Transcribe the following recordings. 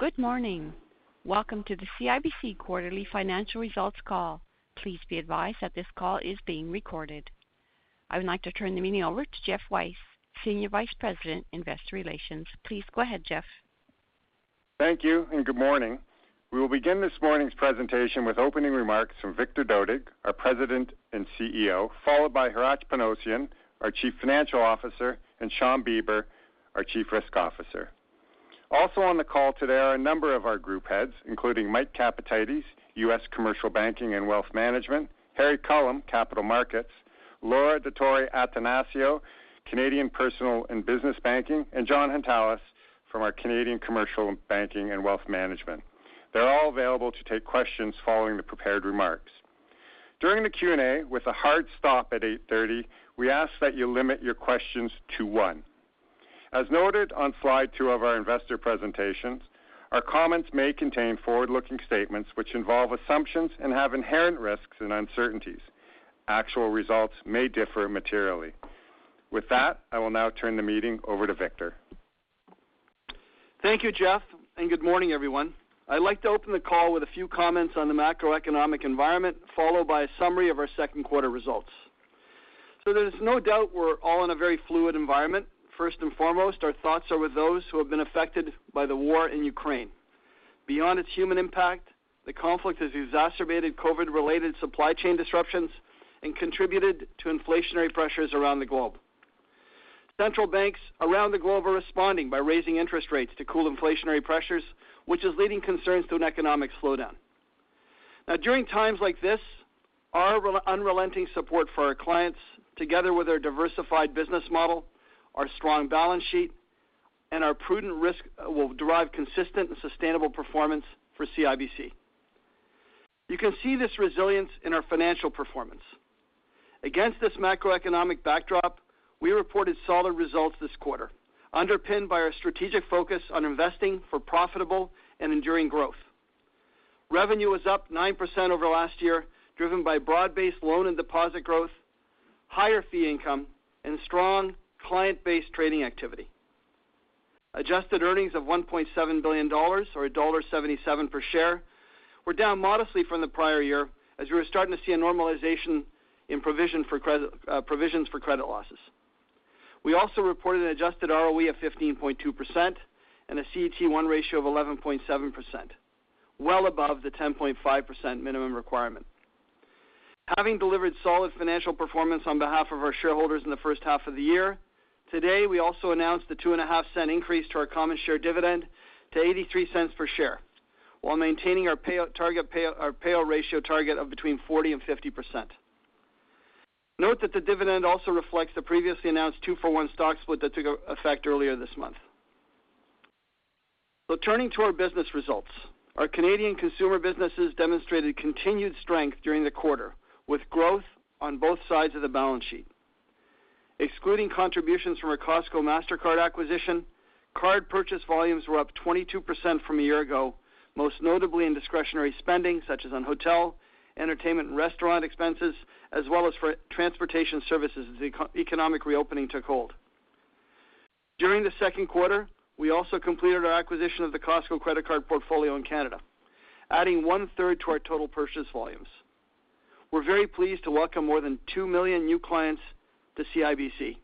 Good morning. Welcome to the CIBC quarterly financial results call. Please be advised that this call is being recorded. I would like to turn the meeting over to Geoff Weiss, Senior Vice President, Investor Relations. Please go ahead, Geoff. Thank you and good morning. We will begin this morning's presentation with opening remarks from Victor Dodig, our President and CEO, followed by Hratch Panossian, our Chief Financial Officer, and Shawn Beber, our Chief Risk Officer. Also on the call today are a number of our group heads, including Mike Capatides, U.S. Commercial Banking and Wealth Management, Harry Culham, Capital Markets, Laura Dottori-Attanasio, Canadian Personal and Business Banking, and Jon Hountalas from our Canadian Commercial Banking and Wealth Management. They're all available to take questions following the prepared remarks. During the Q&A, with a hard stop at 8:30 A.M., we ask that you limit your questions to one. As noted on slide two of our investor presentations, our comments may contain forward-looking statements which involve assumptions and have inherent risks and uncertainties. Actual results may differ materially. With that, I will now turn the meeting over to Victor. Thank you, Geoff, and good morning, everyone. I'd like to open the call with a few comments on the macroeconomic environment, followed by a summary of our second quarter results. There's no doubt we're all in a very fluid environment. First and foremost, our thoughts are with those who have been affected by the war in Ukraine. Beyond its human impact, the conflict has exacerbated COVID-related supply chain disruptions and contributed to inflationary pressures around the globe. Central banks around the globe are responding by raising interest rates to cool inflationary pressures, which is leading to concerns about an economic slowdown. Now, during times like this, our unrelenting support for our clients, together with our diversified business model, our strong balance sheet, and our prudent risk will drive consistent and sustainable performance for CIBC. You can see this resilience in our financial performance. Against this macroeconomic backdrop, we reported solid results this quarter, underpinned by our strategic focus on investing for profitable and enduring growth. Revenue was up 9% over last year, driven by broad-based loan and deposit growth, higher fee income, and strong client-based trading activity. Adjusted earnings of 1.7 billion dollars or dollar 1.77 per share were down modestly from the prior year as we were starting to see a normalization in provisions for credit losses. We also reported an adjusted ROE of 15.2% and a CET1 ratio of 11.7%, well above the 10.5% minimum requirement. Having delivered solid financial performance on behalf of our shareholders in the first half of the year, today, we also announced the 2.5-cent increase to our common share dividend to 0.83 per share while maintaining our payout ratio target of between 40% and 50%. Note that the dividend also reflects the previously announced two-for-one stock split that took effect earlier this month. Turning to our business results, our Canadian consumer businesses demonstrated continued strength during the quarter, with growth on both sides of the balance sheet. Excluding contributions from our Costco Mastercard acquisition, card purchase volumes were up 22% from a year ago, most notably in discretionary spending, such as on hotel, entertainment, and restaurant expenses, as well as for transportation services as economic reopening took hold. During the second quarter, we also completed our acquisition of the Costco credit card portfolio in Canada, adding 1/3 to our total purchase volumes. We're very pleased to welcome more than two million new clients to CIBC.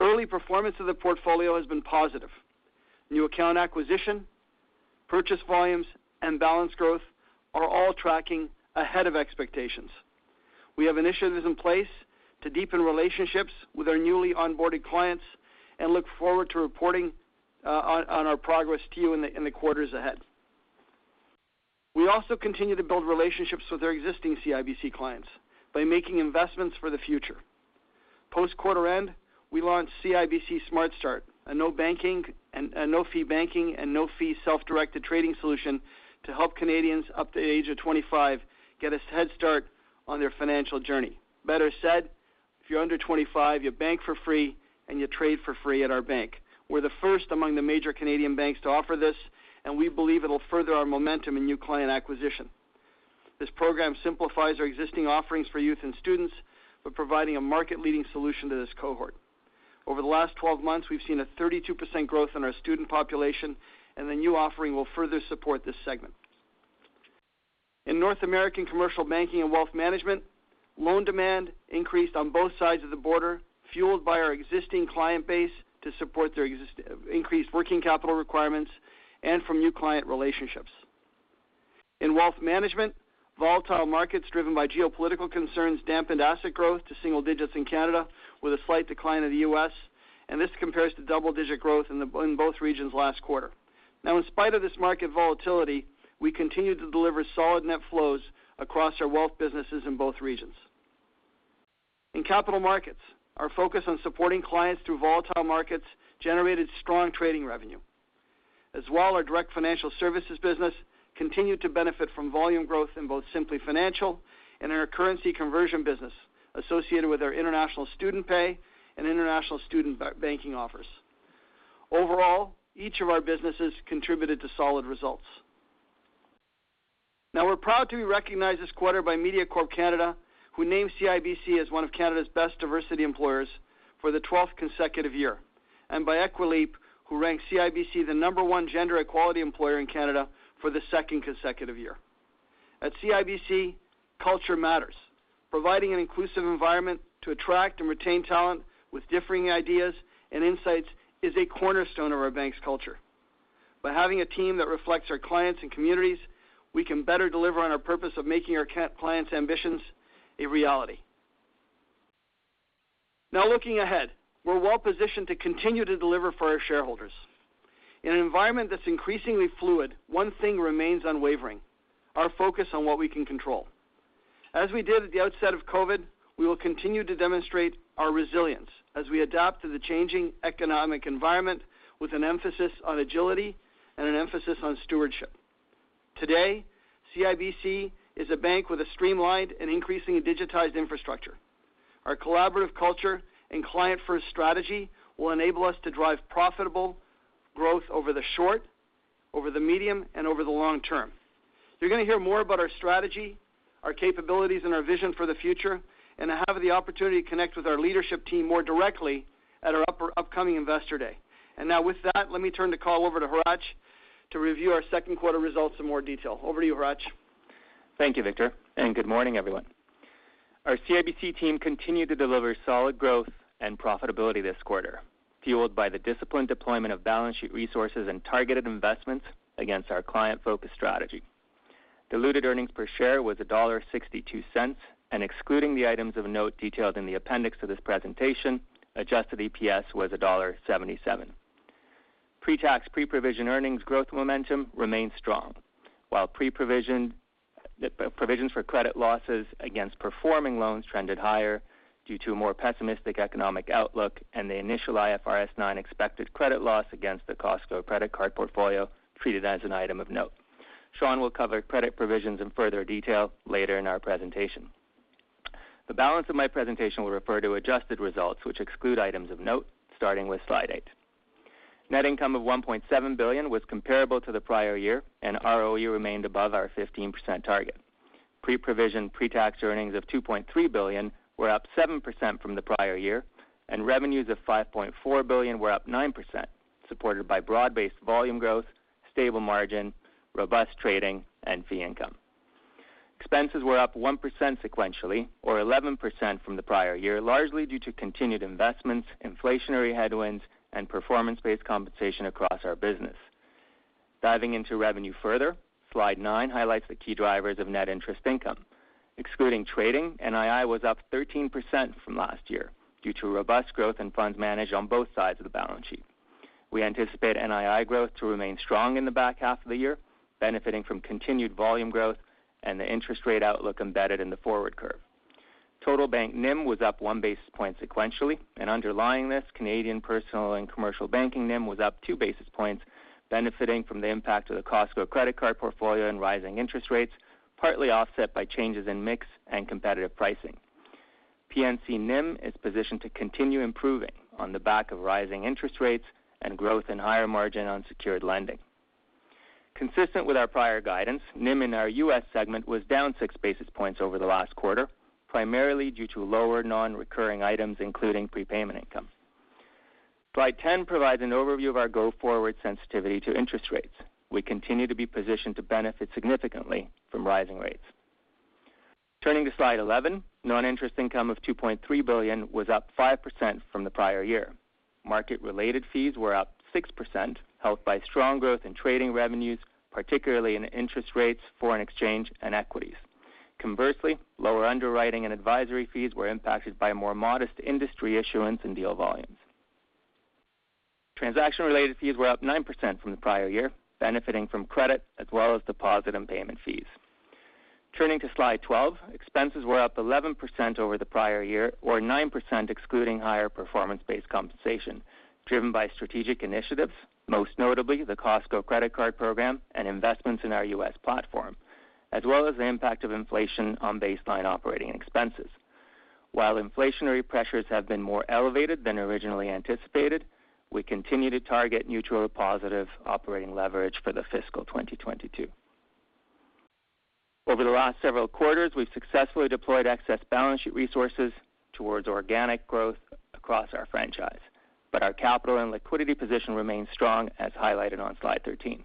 Early performance of the portfolio has been positive. New account acquisition, purchase volumes, and balance growth are all tracking ahead of expectations. We have initiatives in place to deepen relationships with our newly onboarded clients and look forward to reporting on our progress to you in the quarters ahead. We also continue to build relationships with our existing CIBC clients by making investments for the future. Post-quarter end, we launched CIBC Smart Start, a no-fee banking and no-fee self-directed trading solution to help Canadians up to the age of 25 get a head start on their financial journey. Better said, if you're under 25, you bank for free and you trade for free at our bank. We're the first among the major Canadian banks to offer this, and we believe it'll further our momentum in new client acquisition. This program simplifies our existing offerings for youth and students by providing a market-leading solution to this cohort. Over the last 12 months, we've seen a 32% growth in our student population, and the new offering will further support this segment. In North American Commercial Banking and Wealth Management, loan demand increased on both sides of the border, fueled by our existing client base to support their increased working capital requirements and from new client relationships. In wealth management, volatile markets driven by geopolitical concerns dampened asset growth to single digits in Canada with a slight decline in the U.S., and this compares to double-digit growth in both regions last quarter. Now, in spite of this market volatility, we continue to deliver solid net flows across our wealth businesses in both regions. In Capital Markets, our focus on supporting clients through volatile markets generated strong trading revenue. As well, our direct financial services business continued to benefit from volume growth in both Simplii Financial and our currency conversion business associated with our international student pay and international student banking offers. Overall, each of our businesses contributed to solid results. Now, we're proud to be recognized this quarter by Mediacorp Canada, who named CIBC as one of Canada's best diversity employers for the twelfth consecutive year, and by Equileap, who ranked CIBC the number one gender equality employer in Canada for the second consecutive year. At CIBC, culture matters. Providing an inclusive environment to attract and retain talent with differing ideas and insights is a cornerstone of our bank's culture. By having a team that reflects our clients and communities, we can better deliver on our purpose of making our clients' ambitions a reality. Now, looking ahead, we're well-positioned to continue to deliver for our shareholders. In an environment that's increasingly fluid, one thing remains unwavering: our focus on what we can control. As we did at the outset of COVID, we will continue to demonstrate our resilience as we adapt to the changing economic environment with an emphasis on agility and an emphasis on stewardship. Today, CIBC is a bank with a streamlined and increasingly digitized infrastructure. Our collaborative culture and client-first strategy will enable us to drive profitable growth over the short, over the medium, and over the long term. You're gonna hear more about our strategy, our capabilities, and our vision for the future, and have the opportunity to connect with our leadership team more directly at our upcoming Investor Day. Now, with that, let me turn the call over to Hratch to review our second quarter results in more detail. Over to you, Hratch. Thank you, Victor, and good morning, everyone. Our CIBC team continued to deliver solid growth and profitability this quarter, fueled by the disciplined deployment of balance sheet resources and targeted investments against our client-focused strategy. Diluted earnings per share was dollar 1.62, and excluding the items of note detailed in the appendix to this presentation, adjusted EPS was dollar 1.77. Pre-tax, pre-provision earnings growth momentum remained strong, while provisions for credit losses against performing loans trended higher due to a more pessimistic economic outlook and the initial IFRS 9 expected credit loss against the Costco credit card portfolio treated as an item of note. Shawn will cover credit provisions in further detail later in our presentation. The balance of my presentation will refer to adjusted results, which exclude items of note, starting with slide eight. Net income of 1.7 billion was comparable to the prior year, and ROE remained above our 15% target. Pre-provision, pre-tax earnings of 2.3 billion were up 7% from the prior year, and revenues of 5.4 billion were up 9%, supported by broad-based volume growth, stable margin, robust trading, and fee income. Expenses were up 1% sequentially, or 11% from the prior year, largely due to continued investments, inflationary headwinds, and performance-based compensation across our business. Diving into revenue further, slide nine highlights the key drivers of net interest income. Excluding trading, NII was up 13% from last year due to robust growth in funds managed on both sides of the balance sheet. We anticipate NII growth to remain strong in the back half of the year, benefiting from continued volume growth and the interest rate outlook embedded in the forward curve. Total bank NIM was up one basis point sequentially, and underlying this, Canadian personal and commercial banking NIM was up two basis points, benefiting from the impact of the Costco credit card portfolio and rising interest rates, partly offset by changes in mix and competitive pricing. P&C NIM is positioned to continue improving on the back of rising interest rates and growth in higher margin on secured lending. Consistent with our prior guidance, NIM in our U.S. segment was down six basis points over the last quarter, primarily due to lower non-recurring items, including prepayment income. Slide 10 provides an overview of our go-forward sensitivity to interest rates. We continue to be positioned to benefit significantly from rising rates. Turning to Slide 11, non-interest income of 2.3 billion was up 5% from the prior year. Market-related fees were up 6%, helped by strong growth in trading revenues, particularly in interest rates, foreign exchange, and equities. Conversely, lower underwriting and advisory fees were impacted by more modest industry issuance and deal volumes. Transaction-related fees were up 9% from the prior year, benefiting from credit as well as deposit and payment fees. Turning to Slide 12, expenses were up 11% over the prior year, or 9% excluding higher performance-based compensation, driven by strategic initiatives, most notably the Costco credit card program and investments in our U.S. platform, as well as the impact of inflation on baseline operating expenses. While inflationary pressures have been more elevated than originally anticipated, we continue to target neutral or positive operating leverage for fiscal 2022. Over the last several quarters, we've successfully deployed excess balance sheet resources towards organic growth across our franchise, but our capital and liquidity position remains strong, as highlighted on Slide 13.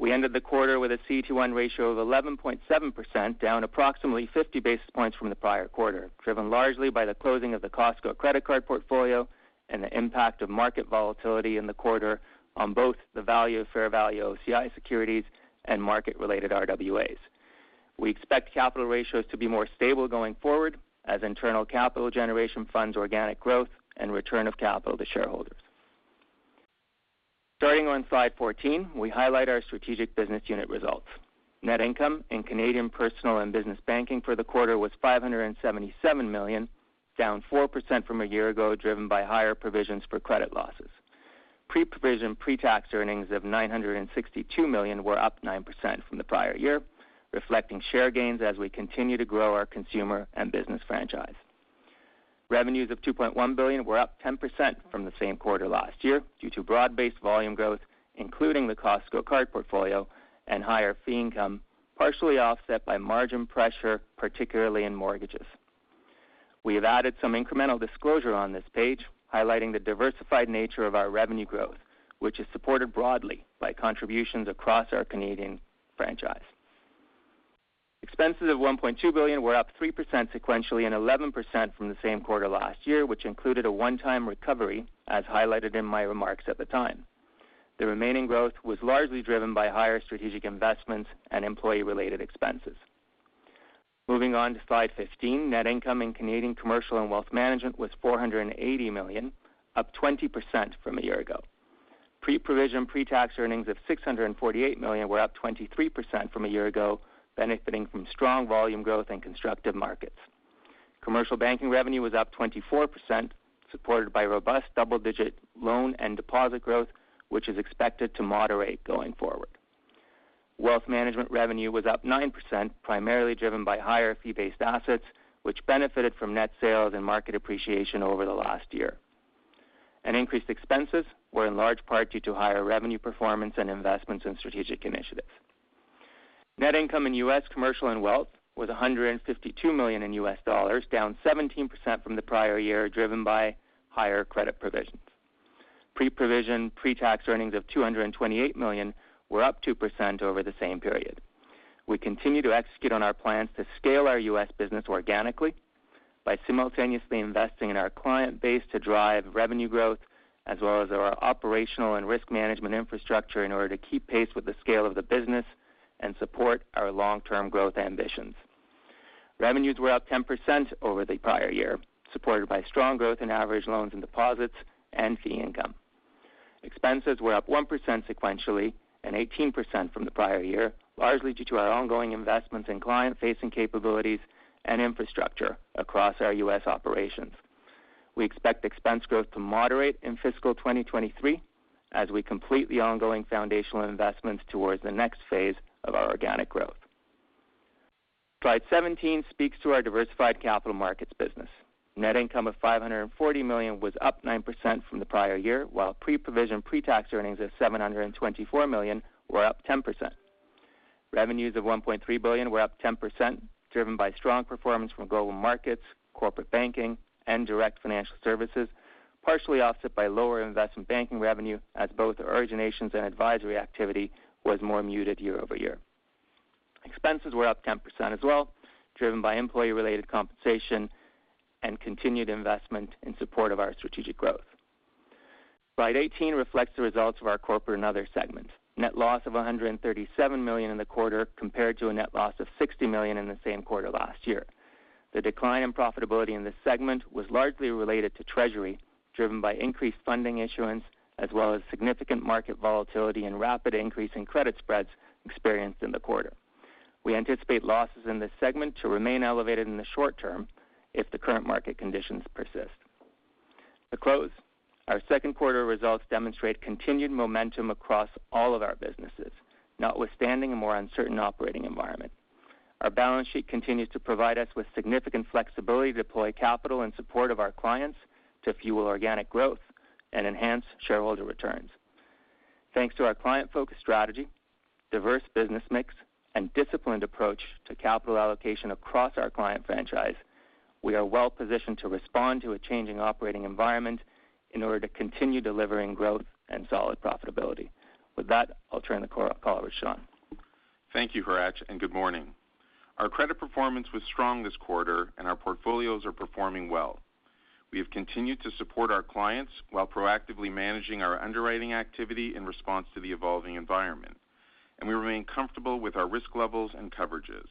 We ended the quarter with a CET1 ratio of 11.7%, down approximately 50 basis points from the prior quarter, driven largely by the closing of the Costco credit card portfolio and the impact of market volatility in the quarter on both the value of fair value OCI securities and market-related RWAs. We expect capital ratios to be more stable going forward as internal capital generation funds organic growth and return of capital to shareholders. Starting on Slide 14, we highlight our strategic business unit results. Net income in Canadian Personal and Business Banking for the quarter was 577 million, down 4% from a year ago, driven by higher provisions for credit losses. Pre-provision, pre-tax earnings of 962 million were up 9% from the prior year, reflecting share gains as we continue to grow our consumer and business franchise. Revenues of 2.1 billion were up 10% from the same quarter last year due to broad-based volume growth, including the Costco card portfolio and higher fee income, partially offset by margin pressure, particularly in mortgages. We have added some incremental disclosure on this page, highlighting the diversified nature of our revenue growth, which is supported broadly by contributions across our Canadian franchise. Expenses of 1.2 billion were up 3% sequentially and 11% from the same quarter last year, which included a one-time recovery, as highlighted in my remarks at the time. The remaining growth was largely driven by higher strategic investments and employee related expenses. Moving on to slide 15, net income in Canadian Commercial and Wealth Management was 480 million, up 20% from a year ago. Pre-provision, pre-tax earnings of 648 million were up 23% from a year ago, benefiting from strong volume growth and constructive markets. Commercial banking revenue was up 24%, supported by robust double-digit loan and deposit growth, which is expected to moderate going forward. Wealth management revenue was up 9%, primarily driven by higher fee-based assets, which benefited from net sales and market appreciation over the last year. Increased expenses were in large part due to higher revenue performance and investments in strategic initiatives. Net income in U.S. Commercial and Wealth was $152 million, down 17% from the prior year, driven by higher credit provisions. Pre-provision, pre-tax earnings of $228 million were up 2% over the same period. We continue to execute on our plans to scale our U.S. business organically by simultaneously investing in our client base to drive revenue growth as well as our operational and risk management infrastructure in order to keep pace with the scale of the business and support our long-term growth ambitions. Revenues were up 10% over the prior year, supported by strong growth in average loans and deposits and fee income. Expenses were up 1% sequentially and 18% from the prior year, largely due to our ongoing investments in client-facing capabilities and infrastructure across our U.S. operations. We expect expense growth to moderate in fiscal 2023 as we complete the ongoing foundational investments towards the next phase of our organic growth. Slide 17 speaks to our diversified capital markets business. Net income of 540 million was up 9% from the prior year, while pre-provision, pre-tax earnings of 724 million were up 10%. Revenues of 1.3 billion were up 10%, driven by strong performance from global markets, corporate banking, and direct financial services, partially offset by lower investment banking revenue as both originations and advisory activity was more muted YoY. Expenses were up 10% as well, driven by employee related compensation and continued investment in support of our strategic growth. Slide 18 reflects the results of our corporate and other segment. Net loss of 137 million in the quarter compared to a net loss of 60 million in the same quarter last year. The decline in profitability in this segment was largely related to treasury, driven by increased funding issuance, as well as significant market volatility and rapid increase in credit spreads experienced in the quarter. We anticipate losses in this segment to remain elevated in the short term if the current market conditions persist. To close, our second quarter results demonstrate continued momentum across all of our businesses, notwithstanding a more uncertain operating environment. Our balance sheet continues to provide us with significant flexibility to deploy capital in support of our clients to fuel organic growth and enhance shareholder returns. Thanks to our client-focused strategy, diverse business mix, and disciplined approach to capital allocation across our client franchise, we are well positioned to respond to a changing operating environment in order to continue delivering growth and solid profitability. With that, I'll turn the call over to Shawn. Thank you, Hratch, and good morning. Our credit performance was strong this quarter and our portfolios are performing well. We have continued to support our clients while proactively managing our underwriting activity in response to the evolving environment, and we remain comfortable with our risk levels and coverages.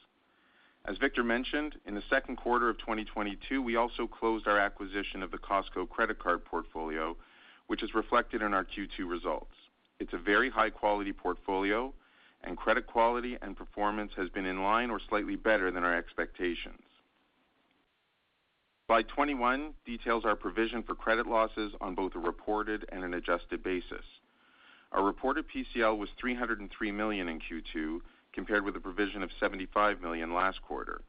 As Victor mentioned, in the second quarter of 2022, we also closed our acquisition of the Costco credit card portfolio, which is reflected in our Q2 results. It's a very high quality portfolio and credit quality and performance has been in line or slightly better than our expectations. Slide 21 details our provision for credit losses on both a reported and an adjusted basis. Our reported PCL was 303 million in Q2, compared with a provision of 75 million last quarter.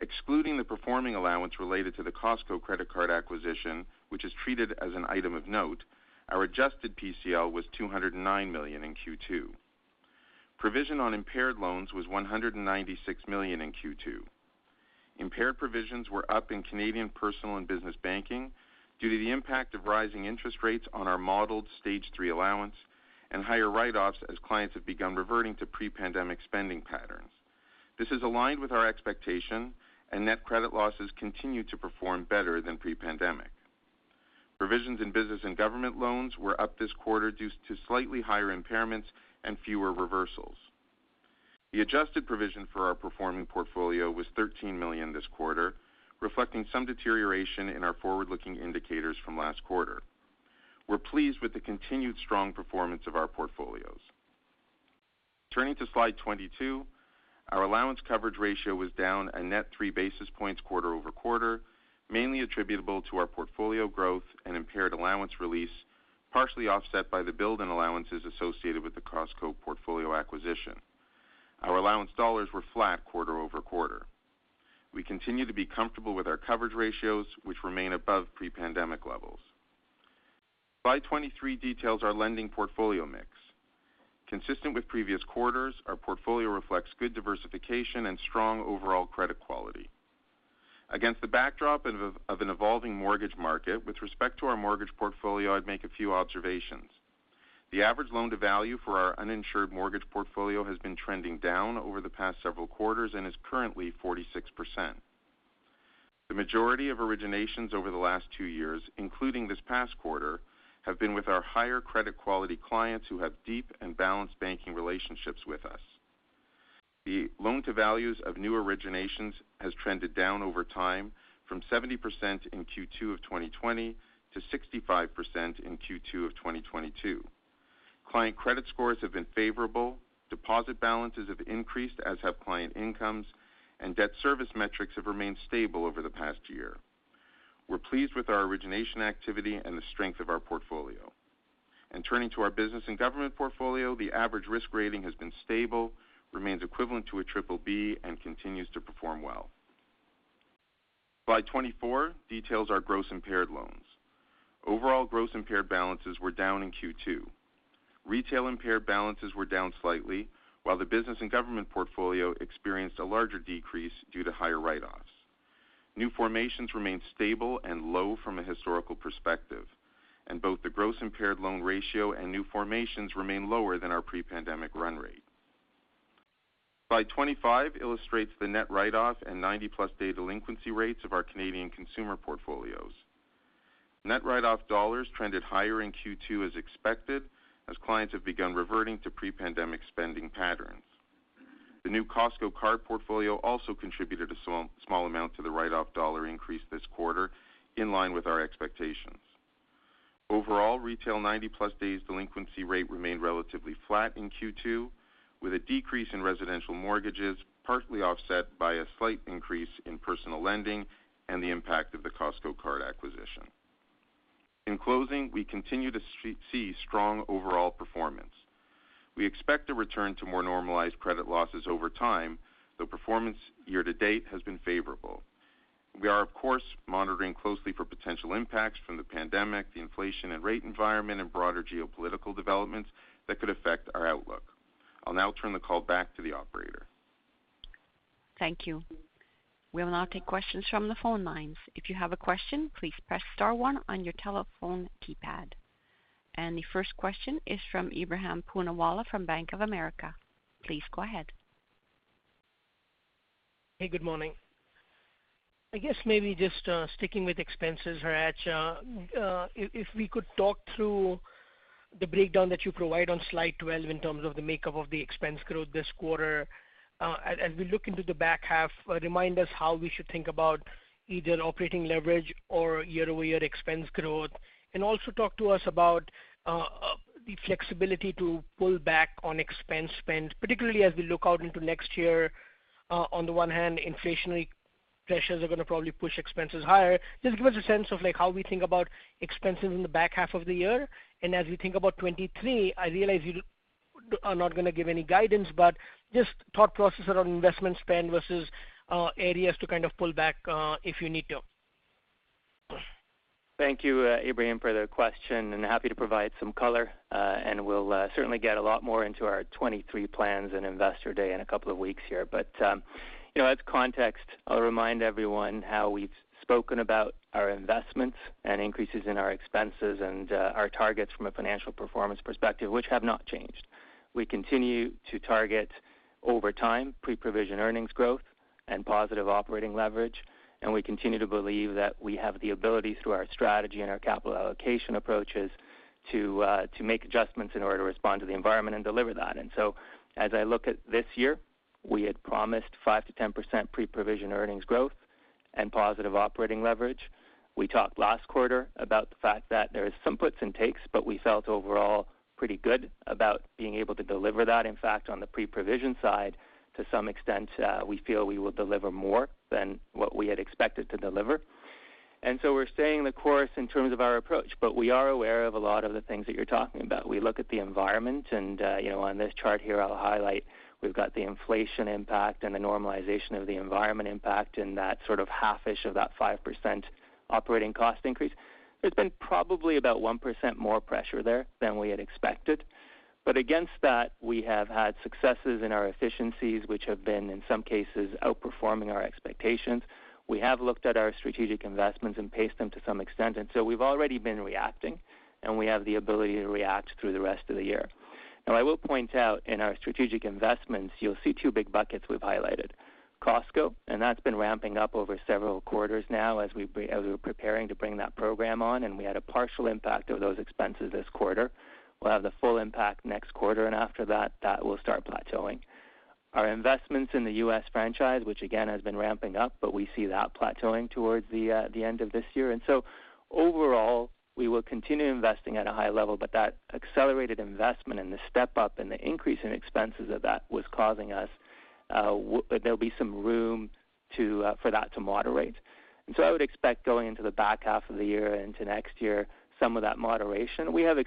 Excluding the performing allowance related to the Costco credit card acquisition, which is treated as an item of note, our adjusted PCL was 209 million in Q2. Provision on impaired loans was 196 million in Q2. Impaired provisions were up in Canadian Personal and Business Banking due to the impact of rising interest rates on our modeled Stage 3 allowance and higher write-offs as clients have begun reverting to pre-pandemic spending patterns. This is aligned with our expectation and net credit losses continue to perform better than pre-pandemic. Provisions in business and government loans were up this quarter due to slightly higher impairments and fewer reversals. The adjusted provision for our performing portfolio was 13 million this quarter, reflecting some deterioration in our forward-looking indicators from last quarter. We're pleased with the continued strong performance of our portfolios. Turning to slide 22, our allowance coverage ratio was down a net three basis points quarter over quarter, mainly attributable to our portfolio growth and impaired allowance release, partially offset by the build in allowances associated with the Costco portfolio acquisition. Our allowance dollars were flat quarter over quarter. We continue to be comfortable with our coverage ratios, which remain above pre-pandemic levels. Slide 23 details our lending portfolio mix. Consistent with previous quarters, our portfolio reflects good diversification and strong overall credit quality. Against the backdrop of an evolving mortgage market, with respect to our mortgage portfolio, I'd make a few observations. The average loan-to-value for our uninsured mortgage portfolio has been trending down over the past several quarters and is currently 46%. The majority of originations over the last two years, including this past quarter, have been with our higher credit quality clients who have deep and balanced banking relationships with us. The loan-to-values of new originations has trended down over time from 70% in Q2 of 2020 to 65% in Q2 of 2022. Client credit scores have been favorable, deposit balances have increased as have client incomes, and debt service metrics have remained stable over the past year. We're pleased with our origination activity and the strength of our portfolio. Turning to our business and government portfolio, the average risk rating has been stable, remains equivalent to BBB, and continues to perform well. Slide 24 details our gross impaired loans. Overall gross impaired balances were down in Q2. Retail impaired balances were down slightly, while the business and government portfolio experienced a larger decrease due to higher write-offs. New formations remained stable and low from a historical perspective, and both the gross impaired loan ratio and new formations remain lower than our pre-pandemic run rate. Slide 25 illustrates the net write-off and 90-plus day delinquency rates of our Canadian consumer portfolios. Net write-off dollars trended higher in Q2 as expected, as clients have begun reverting to pre-pandemic spending patterns. The new Costco card portfolio also contributed a small amount to the write-off dollar increase this quarter, in line with our expectations. Overall, retail 90-plus days delinquency rate remained relatively flat in Q2, with a decrease in residential mortgages, partly offset by a slight increase in personal lending and the impact of the Costco card acquisition. In closing, we continue to see strong overall performance. We expect to return to more normalized credit losses over time, though performance year to date has been favorable. We are, of course, monitoring closely for potential impacts from the pandemic, the inflation and rate environment, and broader geopolitical developments that could affect our outlook. I'll now turn the call back to the operator. Thank you. We will now take questions from the phone lines. If you have a question, please press star one on your telephone keypad. The first question is from Ebrahim Poonawala from Bank of America. Please go ahead. Hey, good morning. I guess maybe just sticking with expenses, Hratch, if we could talk through the breakdown that you provide on slide 12 in terms of the makeup of the expense growth this quarter. As we look into the back half, remind us how we should think about either operating leverage or YoY expense growth. Also talk to us about the flexibility to pull back on expense spend, particularly as we look out into next year, on the one hand, inflationary pressures are going to probably push expenses higher. Just give us a sense of like how we think about expenses in the back half of the year. As we think about 2023, I realize you are not going to give any guidance, but just thought process around investment spend versus areas to kind of pull back if you need to. Thank you, Ebrahim, for the question, and happy to provide some color. We'll certainly get a lot more into our 2023 plans in Investor Day in a couple of weeks here. You know, as context, I'll remind everyone how we've spoken about our investments and increases in our expenses and, our targets from a financial performance perspective, which have not changed. We continue to target over time pre-provision earnings growth and positive operating leverage, and we continue to believe that we have the ability through our strategy and our capital allocation approaches to make adjustments in order to respond to the environment and deliver that. As I look at this year, we had promised 5%-10% pre-provision earnings growth and positive operating leverage. We talked last quarter about the fact that there is some puts and takes, but we felt overall pretty good about being able to deliver that. In fact, on the pre-provision side, to some extent, we feel we will deliver more than what we had expected to deliver. We're staying the course in terms of our approach, but we are aware of a lot of the things that you're talking about. We look at the environment and, you know, on this chart here I'll highlight, we've got the inflation impact and the normalization of the environment impact and that sort of half-ish of that 5% operating cost increase. There's been probably about 1% more pressure there than we had expected. Against that, we have had successes in our efficiencies, which have been in some cases outperforming our expectations. We have looked at our strategic investments and paced them to some extent. We've already been reacting, and we have the ability to react through the rest of the year. Now, I will point out in our strategic investments, you'll see two big buckets we've highlighted. Costco, and that's been ramping up over several quarters now as we were preparing to bring that program on, and we had a partial impact of those expenses this quarter. We'll have the full impact next quarter and after that will start plateauing. Our investments in the U.S. franchise, which again has been ramping up, but we see that plateauing towards the end of this year. Overall, we will continue investing at a high level, but that accelerated investment and the step-up and the increase in expenses of that was causing us There'll be some room to for that to moderate. I would expect going into the back half of the year and to next year, some of that moderation. We have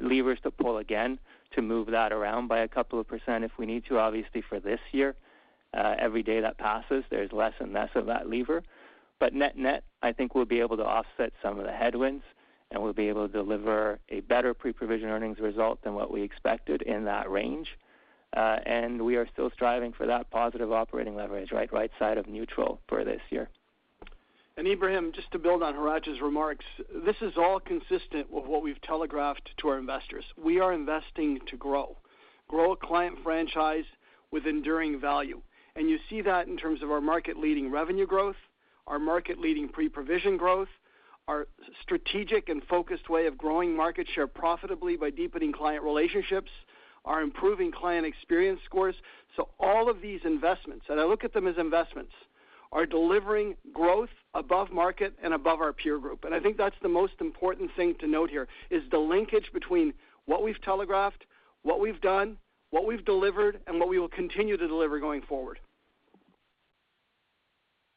levers to pull again to move that around by a couple of % if we need to. Obviously, for this year, every day that passes, there's less and less of that lever. Net-net, I think we'll be able to offset some of the headwinds, and we'll be able to deliver a better pre-provision earnings result than what we expected in that range. We are still striving for that positive operating leverage, right side of neutral for this year. Ebrahim, just to build on Hratch's remarks, this is all consistent with what we've telegraphed to our investors. We are investing to grow a client franchise with enduring value. You see that in terms of our market-leading revenue growth, our market-leading pre-provision growth, our strategic and focused way of growing market share profitably by deepening client relationships, our improving client experience scores. All of these investments, and I look at them as investments, are delivering growth above market and above our peer group. I think that's the most important thing to note here, is the linkage between what we've telegraphed, what we've done, what we've delivered, and what we will continue to deliver going forward.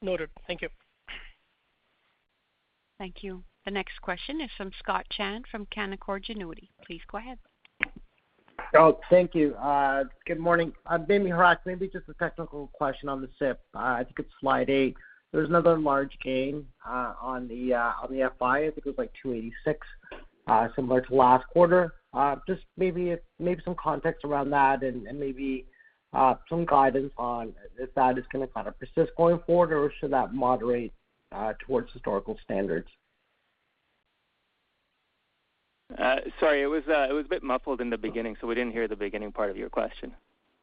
Noted. Thank you. Thank you. The next question is from Scott Chan from Canaccord Genuity. Please go ahead. Thank you. Good morning. Maybe, Hratch, maybe just a technical question on the supplemental. I think it's slide eight. There's another large gain on the FI. I think it was like 286, similar to last quarter. Maybe some context around that and maybe some guidance on if that is gonna kind of persist going forward, or should that moderate towards historical standards? Sorry, it was a bit muffled in the beginning, so we didn't hear the beginning part of your question.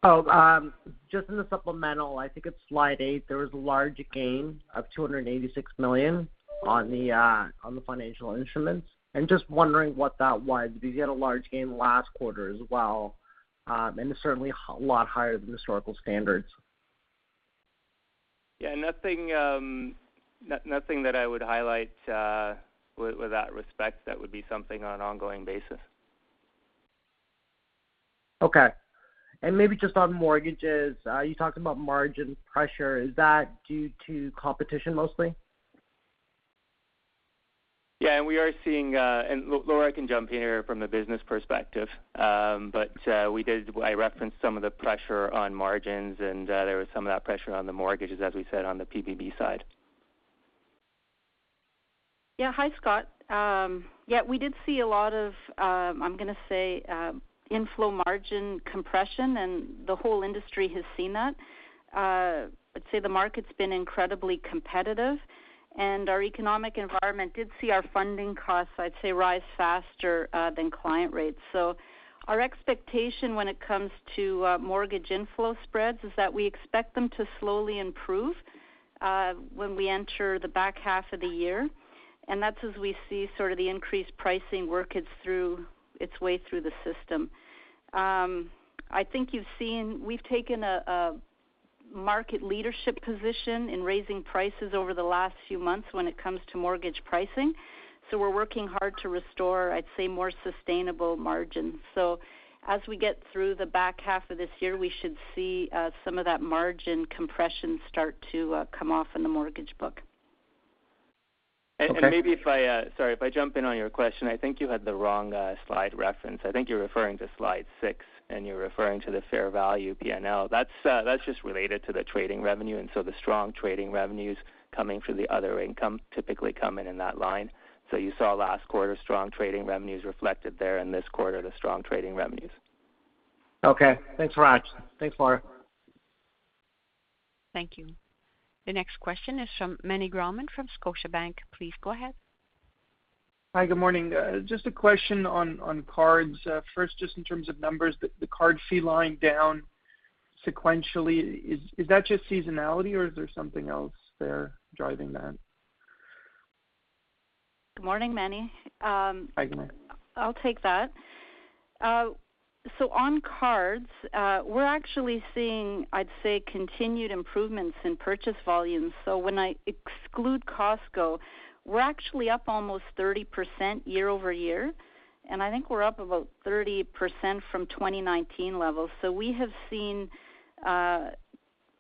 Just in the supplemental, I think it's slide 8, there was a large gain of 286 million on the financial instruments. I'm just wondering what that was because you had a large gain last quarter as well, and it's certainly a lot higher than historical standards. Yeah, nothing that I would highlight with that respect. That would be something on an ongoing basis. Okay. Maybe just on mortgages, you talked about margin pressure. Is that due to competition mostly? We are seeing, and Laura can jump in here from the business perspective. I referenced some of the pressure on margins, and there was some of that pressure on the mortgages, as we said, on the P&BB side. Yeah. Hi, Scott. Yeah, we did see a lot of, I'm gonna say, inflow margin compression, and the whole industry has seen that. I'd say the market's been incredibly competitive, and our economic environment did see our funding costs, I'd say, rise faster than client rates. Our expectation when it comes to mortgage inflow spreads is that we expect them to slowly improve when we enter the back half of the year, and that's as we see sort of the increased pricing work its way through the system. I think you've seen we've taken a market leadership position in raising prices over the last few months when it comes to mortgage pricing, so we're working hard to restore, I'd say, more sustainable margins. As we get through the back half of this year, we should see some of that margin compression start to come off in the mortgage book. Okay. Maybe if I jump in on your question. I think you had the wrong slide reference. I think you're referring to slide six, and you're referring to the fair value P&L. That's just related to the trading revenue, and so the strong trading revenues coming through the other income typically come in that line. You saw last quarter strong trading revenues reflected there and this quarter, the strong trading revenues. Okay. Thanks, Hratch. Thanks, Laura. Thank you. The next question is from Meny Grauman from Scotiabank. Please go ahead. Hi, good morning. Just a question on cards. First, just in terms of numbers, the card fee line down sequentially, is that just seasonality, or is there something else there driving that? Good morning, Meny. Hi, good morning. I'll take that. On cards, we're actually seeing, I'd say, continued improvements in purchase volumes. When I exclude Costco, we're actually up almost 30% YoY, and I think we're up about 30% from 2019 levels. We have seen, I'm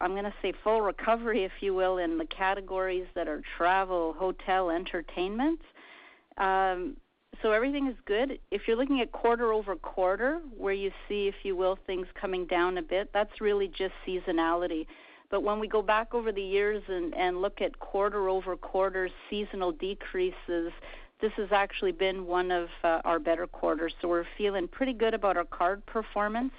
gonna say full recovery, if you will, in the categories that are travel, hotel, entertainment. Everything is good. If you're looking at QoQ, where you see, if you will, things coming down a bit, that's really just seasonality. When we go back over the years and look at QoQ seasonal decreases, this has actually been one of our better quarters. We're feeling pretty good about our card performance.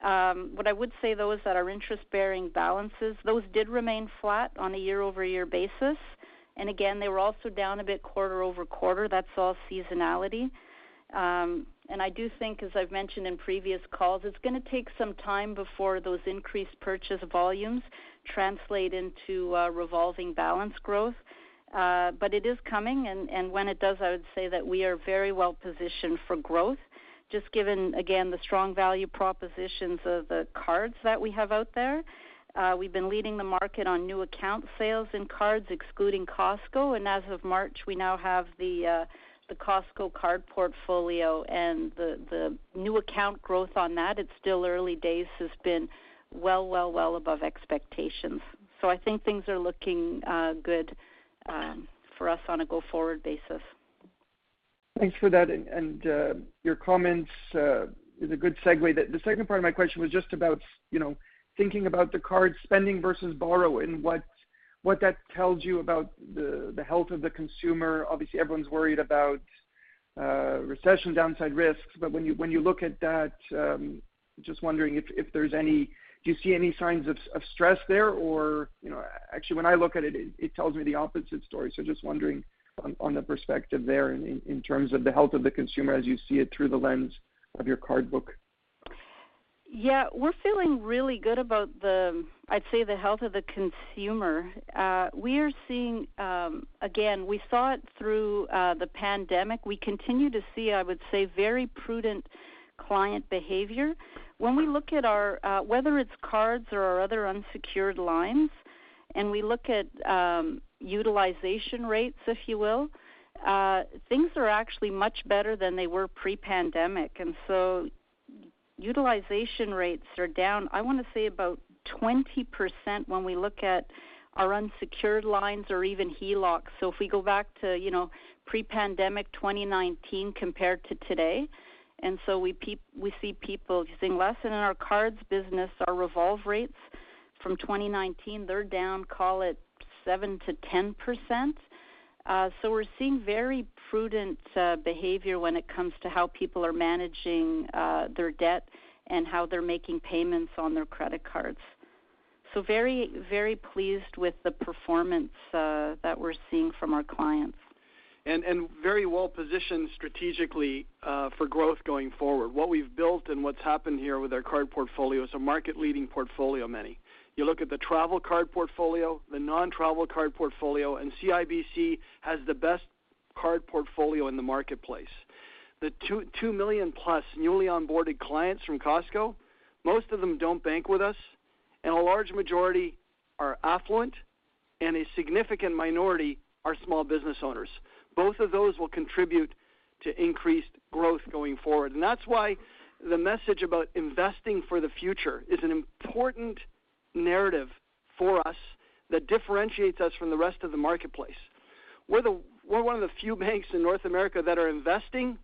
What I would say, though, is that our interest-bearing balances, those did remain flat on a YoY basis. Again, they were also down a bit quarter over quarter. That's all seasonality. I do think, as I've mentioned in previous calls, it's gonna take some time before those increased purchase volumes translate into revolving balance growth. But it is coming, and when it does, I would say that we are very well positioned for growth, just given, again, the strong value propositions of the cards that we have out there. We've been leading the market on new account sales and cards excluding Costco. As of March, we now have the Costco card portfolio and the new account growth on that. It's still early days, has been well above expectations. I think things are looking good for us on a go-forward basis. Thanks for that. Your comments is a good segue. The second part of my question was just about, you know, thinking about the card spending versus borrowing. What that tells you about the health of the consumer. Obviously, everyone's worried about recession downside risks. When you look at that, just wondering, do you see any signs of stress there? Or, you know, actually, when I look at it tells me the opposite story. Just wondering on the perspective there in terms of the health of the consumer as you see it through the lens of your card book. Yeah. We're feeling really good about the, I'd say, the health of the consumer. We are seeing, again, we saw it through the pandemic. We continue to see, I would say, very prudent client behavior. When we look at our whether it's cards or our other unsecured lines, and we look at utilization rates, if you will, things are actually much better than they were pre-pandemic. Utilization rates are down, I want to say about 20% when we look at our unsecured lines or even HELOCs. If we go back to, you know, pre-pandemic 2019 compared to today, we see people using less. In our cards business, our revolve rates from 2019, they're down, call it 7%-10%. We're seeing very prudent behavior when it comes to how people are managing their debt and how they're making payments on their credit cards. Very, very pleased with the performance that we're seeing from our clients. Very well-positioned strategically for growth going forward. What we've built and what's happened here with our card portfolio is a market-leading portfolio, Meny. You look at the travel card portfolio, the non-travel card portfolio, and CIBC has the best card portfolio in the marketplace. The two million plus newly onboarded clients from Costco, most of them don't bank with us, and a large majority are affluent and a significant minority are small business owners. Both of those will contribute to increased growth going forward. That's why the message about investing for the future is an important narrative for us that differentiates us from the rest of the marketplace. We're one of the few banks in North America that are investing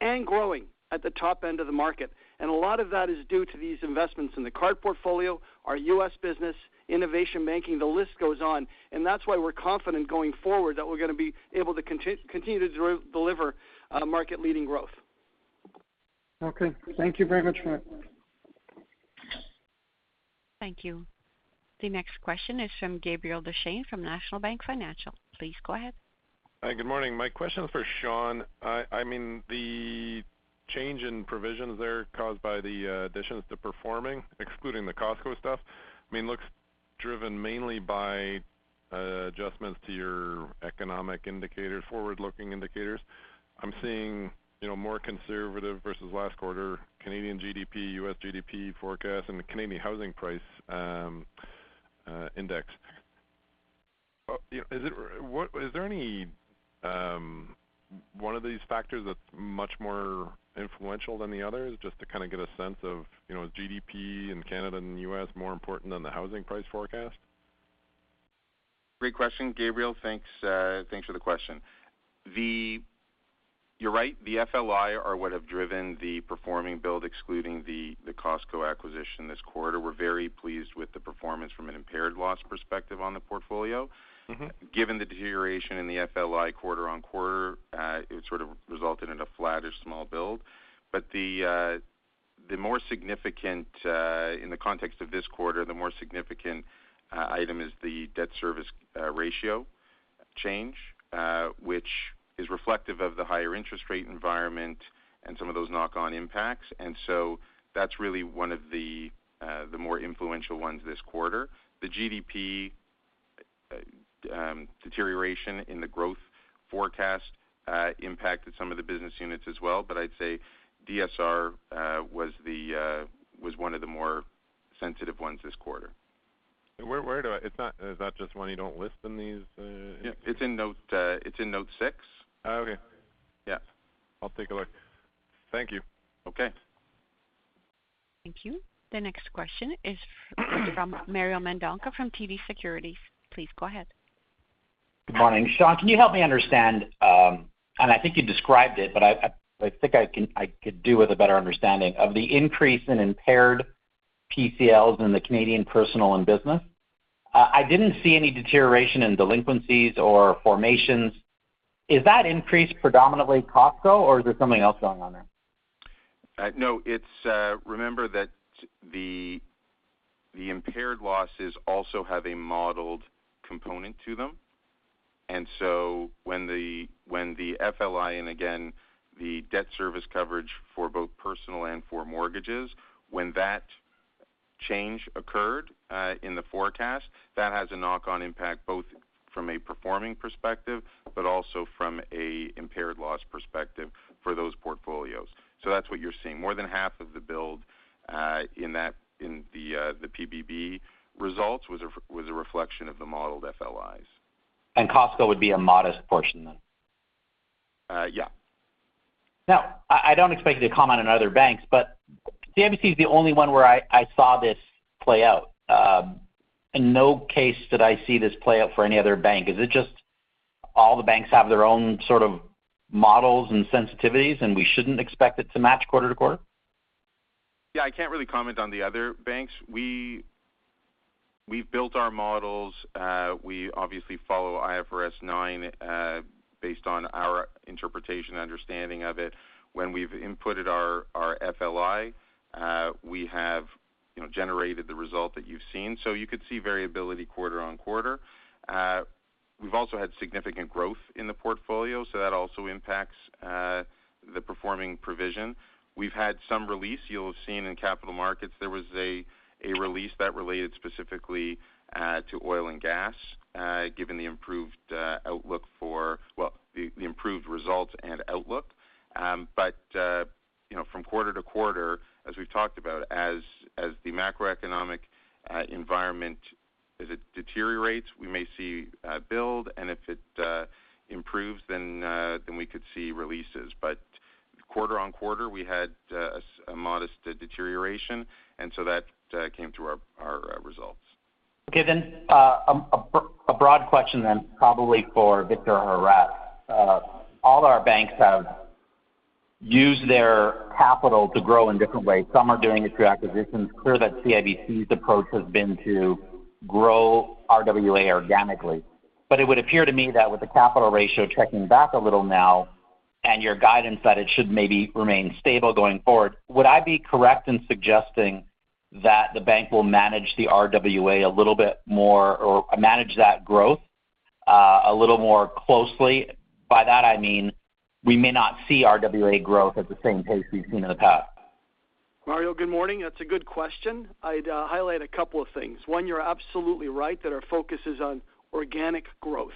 and growing at the top end of the market. A lot of that is due to these investments in the card portfolio, our U.S. business, innovation banking, the list goes on. That's why we're confident going forward that we're going to be able to continue to deliver market-leading growth. Okay. Thank you very much for that. Thank you. The next question is from Gabriel Dechaine from National Bank Financial. Please go ahead. Hi, good morning. My question is for Shawn. I mean, the change in provisions there caused by the additions to performing, excluding the Costco stuff, I mean, looks driven mainly by adjustments to your economic indicators, forward-looking indicators. I'm seeing, you know, more conservative versus last quarter, Canadian GDP, U.S. GDP forecast, and the Canadian housing price index. You know, is there any one of these factors that's much more influential than the others just to kind of get a sense of, you know, is GDP in Canada and U.S. more important than the housing price forecast? Great question, Gabriel. Thanks for the question. You're right. The FLI are what have driven the performing build, excluding the Costco acquisition this quarter. We're very pleased with the performance from an impaired loss perspective on the portfolio. Mm-hmm. Given the deterioration in the FLI QoQ, it sort of resulted in a flat or small build. The more significant item in the context of this quarter is the debt service ratio change, which is reflective of the higher interest rate environment and some of those knock-on impacts. That's really one of the more influential ones this quarter. The GDP deterioration in the growth forecast impacted some of the business units as well. I'd say DSR was one of the more sensitive ones this quarter. Is that just one you don't list in these? Yeah, it's in Note six. Oh, okay. Yeah. I'll take a look. Thank you. Okay. Thank you. The next question is from Mario Mendonca from TD Securities. Please go ahead. Good morning. Shawn, can you help me understand, and I think you described it, but I think I could do with a better understanding of the increase in impaired PCLs in the Canadian Personal and Business. I didn't see any deterioration in delinquencies or formations. Is that increase predominantly Costco or is there something else going on there? No. It's remember that the impaired losses also have a modeled component to them. When the FLI, and again, the debt service coverage for both personal and for mortgages, when that change occurred in the forecast, that has a knock-on impact, both from a performing perspective, but also from a impaired loss perspective for those portfolios. That's what you're seeing. More than half of the build in the P&BB results was a reflection of the modeled FLIs. Costco would be a modest portion then? Yeah. Now, I don't expect you to comment on other banks, but CIBC is the only one where I saw this play out. In no case did I see this play out for any other bank. Is it just all the banks have their own sort of models and sensitivities, and we shouldn't expect it to match quarter to quarter? Yeah, I can't really comment on the other banks. We've built our models. We obviously follow IFRS 9 based on our interpretation and understanding of it. When we've inputted our FLI, we have, you know, generated the result that you've seen. So you could see variability quarter on quarter. We've also had significant growth in the portfolio, so that also impacts the performing provision. We've had some release. You'll have seen in Capital Markets there was a release that related specifically to oil and gas given the improved outlook. Well, the improved results and outlook. You know from quarter to quarter, as we've talked about, as the macroeconomic environment as it deteriorates, we may see build, and if it improves, then we could see releases. QoQ, we had a modest deterioration, and so that came through our results. Okay, a broad question then probably for Victor or Hratch. All our banks have used their capital to grow in different ways. Some are doing it through acquisitions. It's clear that CIBC's approach has been to grow RWA organically. It would appear to me that with the capital ratio checking back a little now and your guidance that it should maybe remain stable going forward, would I be correct in suggesting that the bank will manage the RWA a little bit more or manage that growth a little more closely? By that I mean, we may not see RWA growth at the same pace we've seen in the past. Mario, good morning. That's a good question. I'd highlight a couple of things. One, you're absolutely right that our focus is on organic growth,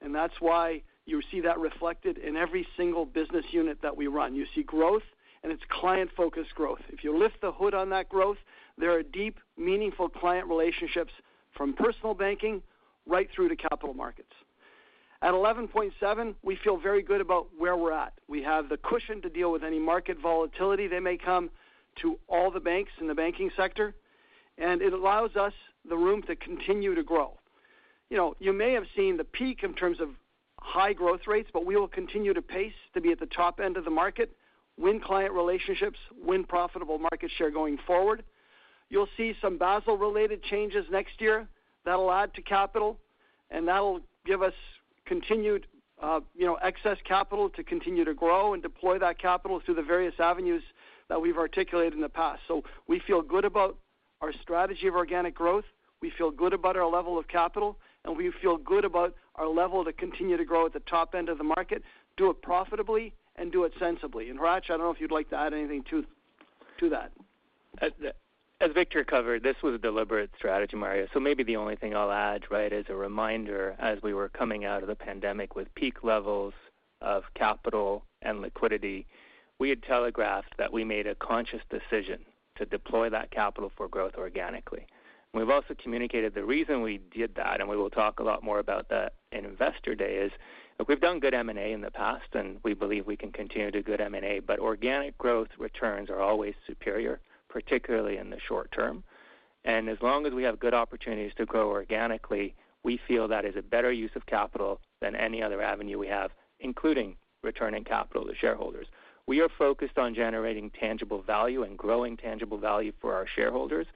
and that's why you see that reflected in every single business unit that we run. You see growth, and it's client-focused growth. If you lift the hood on that growth, there are deep, meaningful client relationships from personal banking right through to capital markets. At 11.7, we feel very good about where we're at. We have the cushion to deal with any market volatility that may come to all the banks in the banking sector, and it allows us the room to continue to grow. You know, you may have seen the peak in terms of high growth rates, but we will continue to pace to be at the top end of the market, win client relationships, win profitable market share going forward. You'll see some Basel-related changes next year that'll add to capital, and that'll give us continued excess capital to continue to grow and deploy that capital through the various avenues that we've articulated in the past. We feel good about our strategy of organic growth, we feel good about our level of capital, and we feel good about our level to continue to grow at the top end of the market, do it profitably and do it sensibly. Hratch, I don't know if you'd like to add anything to that. As Victor covered, this was a deliberate strategy, Mario. Maybe the only thing I'll add, right, as a reminder, as we were coming out of the pandemic with peak levels of capital and liquidity, we had telegraphed that we made a conscious decision to deploy that capital for growth organically. We've also communicated the reason we did that, and we will talk a lot more about that in Investor Day, is look, we've done good M&A in the past, and we believe we can continue to do good M&A, but organic growth returns are always superior, particularly in the short term. As long as we have good opportunities to grow organically, we feel that is a better use of capital than any other avenue we have, including returning capital to shareholders. We are focused on generating tangible value and growing tangible value for our shareholders,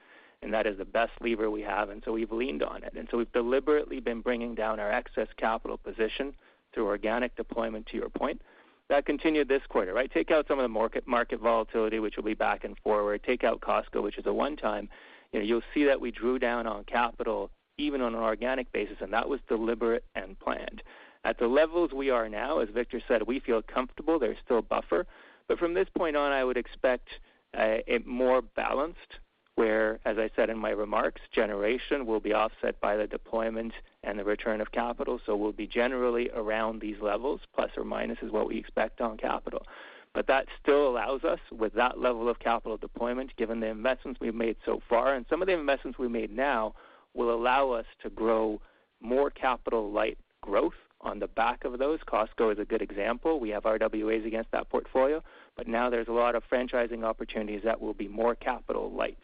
and that is the best lever we have, and so we've leaned on it. We've deliberately been bringing down our excess capital position through organic deployment to your point. That continued this quarter, right? Take out some of the market volatility, which will be back and forth. Take out Costco, which is a one-time. You know, you'll see that we drew down on capital even on an organic basis, and that was deliberate and planned. At the levels we are now, as Victor said, we feel comfortable there's still a buffer. From this point on, I would expect it more balanced, where, as I said in my remarks, generation will be offset by the deployment and the return of capital. We'll be generally around these levels, plus or minus is what we expect on capital. That still allows us, with that level of capital deployment, given the investments we've made so far, and some of the investments we made now will allow us to grow more capital-light growth on the back of those. Costco is a good example. We have RWAs against that portfolio, but now there's a lot of franchising opportunities that will be more capital light.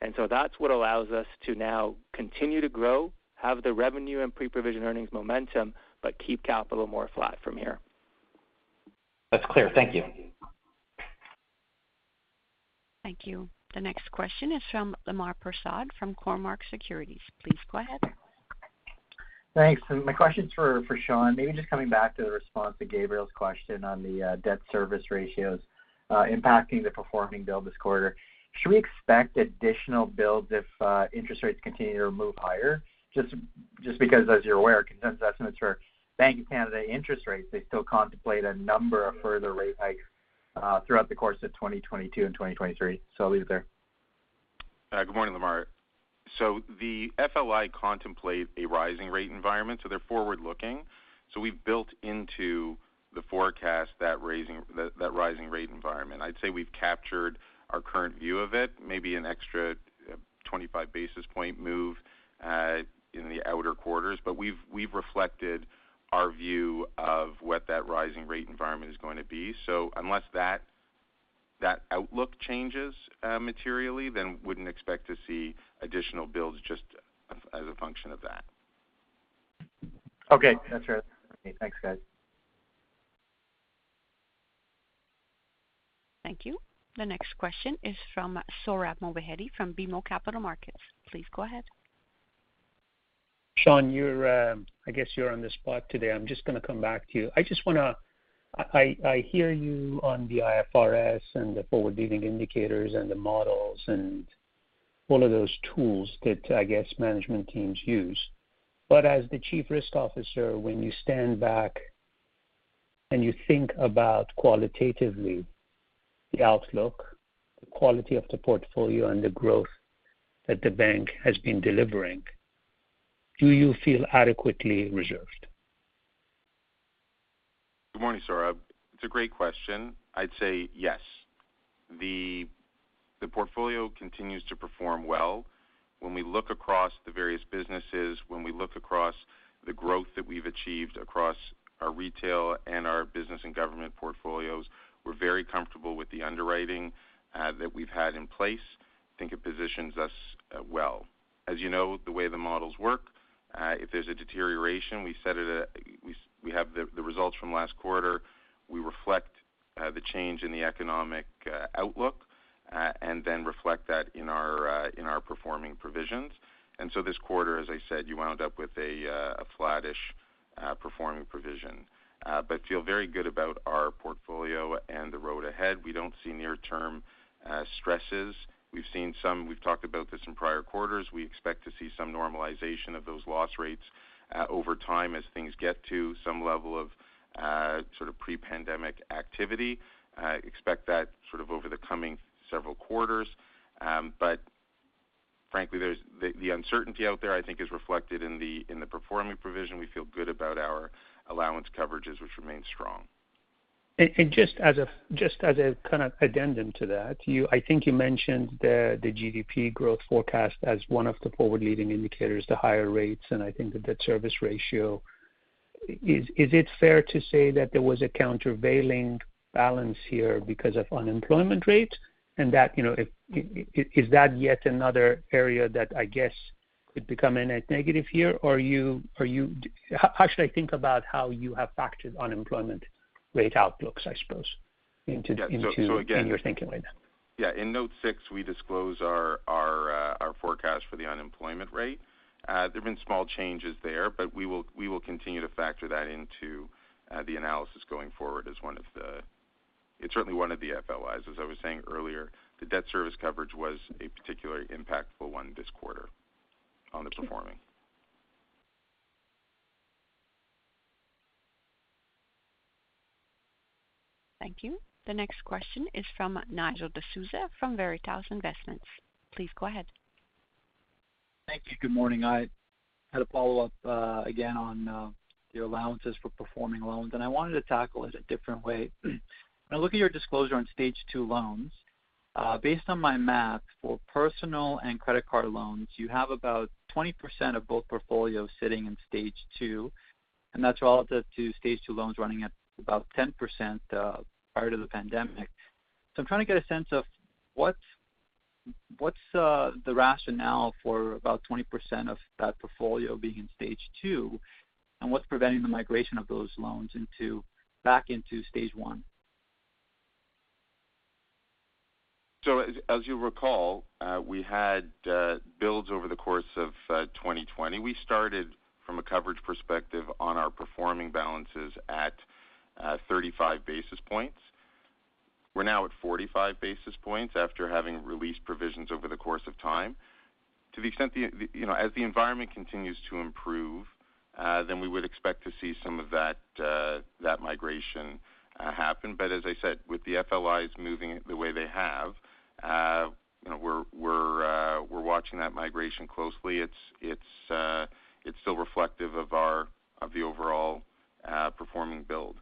That's what allows us to now continue to grow, have the revenue and pre-provision earnings momentum, but keep capital more flat from here. That's clear. Thank you. Thank you. The next question is from Lemar Persaud from Cormark Securities. Please go ahead. Thanks. My question is for Shawn. Maybe just coming back to the response to Gabriel's question on the debt service ratios impacting the performing pool this quarter. Should we expect additional pools if interest rates continue to move higher? Just because as you're aware, consensus estimates for Bank of Canada interest rates still contemplate a number of further rate hikes throughout the course of 2022 and 2023. I'll leave it there. Good morning, Lemar. The FLI contemplate a rising rate environment, so they're forward-looking. We've built into the forecast that rising rate environment. I'd say we've captured our current view of it, maybe an extra 25 basis point move in the outer quarters. We've reflected our view of what that rising rate environment is going to be. Unless that outlook changes materially, then wouldn't expect to see additional builds just as a function of that. Okay. That's it. Okay, thanks, guys. Thank you. The next question is from Sohrab Movahedi from BMO Capital Markets. Please go ahead. Shawn Beber, you're, I guess you're on the spot today. I'm just gonna come back to you. I just wanna, I hear you on the IFRS and the forward-looking indicators and the models and all of those tools that, I guess, management teams use. As the Chief Risk Officer, when you stand back and you think about qualitatively the outlook, the quality of the portfolio and the growth that the bank has been delivering, do you feel adequately reserved? Good morning, Sohrab. It's a great question. I'd say yes. The portfolio continues to perform well. When we look across the various businesses, when we look across the growth that we've achieved across our retail and our business and government portfolios, we're very comfortable with the underwriting that we've had in place. I think it positions us well. As you know, the way the models work, if there's a deterioration, we have the results from last quarter. We reflect the change in the economic outlook and then reflect that in our performing provisions. This quarter, as I said, you wound up with a flattish performing provision. But feel very good about our portfolio and the road ahead. We don't see near-term stresses. We've talked about this in prior quarters. We expect to see some normalization of those loss rates, over time as things get to some level of, sort of pre-pandemic activity. Expect that sort of over the coming several quarters. Frankly, there's the uncertainty out there, I think is reflected in the performing provision. We feel good about our allowance coverages, which remain strong. Just as a kind of addendum to that, you, I think you mentioned the GDP growth forecast as one of the forward-looking indicators to higher rates, and I think the debt service ratio. Is it fair to say that there was a countervailing balance here because of unemployment rates, and that, you know, is that yet another area that, I guess, could become a net negative here? Or, how should I think about how you have factored unemployment rate outlooks, I suppose, into- Yeah, so again. -into your thinking right now? Yeah. In note six, we disclose our forecast for the unemployment rate. There have been small changes there, but we will continue to factor that into the analysis going forward as one of the FLIs. It's certainly one of the FLIs. As I was saying earlier, the debt service coverage was a particular impactful one this quarter on the performing. Thank you. The next question is from Nigel D'Souza from Veritas Investment Research. Please go ahead. Thank you. Good morning. I had a follow-up again on your allowances for performing loans, and I wanted to tackle it a different way. When I look at your disclosure on Stage 2 loans, based on my math for personal and credit card loans, you have about 20% of both portfolios sitting in Stage 2, and that's relative to Stage 2 loans running at about 10% prior to the pandemic. I'm trying to get a sense of what's the rationale for about 20% of that portfolio being in Stage 2, and what's preventing the migration of those loans back into Stage 1. As you recall, we had builds over the course of 2020. We started from a coverage perspective on our performing balances at 35 basis points. We're now at 45 basis points after having released provisions over the course of time. To the extent the, you know, as the environment continues to improve, then we would expect to see some of that migration happen. But as I said, with the FLIs moving the way they have, you know, we're watching that migration closely. It's still reflective of the overall performing build.